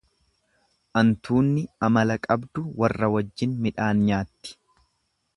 Antuunni amala qabdu warra wajjin midhaan nyaatti.